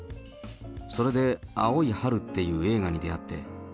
それで、青い春っていう映画に出会って。